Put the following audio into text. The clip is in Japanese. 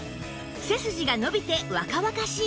背筋が伸びて若々しい印象に！